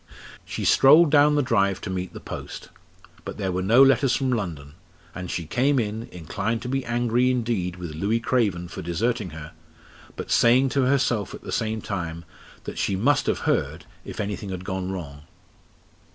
She strolled down the drive to meet the post. But there were no letters from London, and she came in, inclined to be angry indeed with Louis Craven for deserting her, but saying to herself at the same time that she must have heard if anything had gone wrong.